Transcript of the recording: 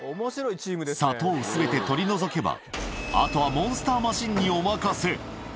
砂糖をすべて取り除けば、あとはモンスターマシンにお任せ。